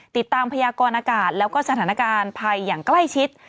พยากรอากาศแล้วก็สถานการณ์ภัยอย่างใกล้ชิด